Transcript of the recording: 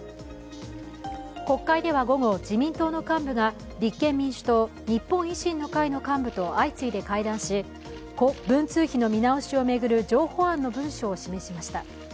国会では午後、自民党の幹部が立憲民主党、日本維新の会の幹部と相次いで会談し、文通費の見直しを巡る譲歩案を文書で示しました。